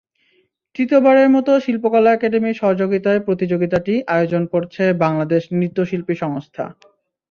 তৃতীয়বারের মতো শিল্পকলা একাডেমির সহযোগিতায় প্রতিযোগিতাটি আয়োজন করছে বাংলাদেশ নৃত্যশিল্পী সংস্থা।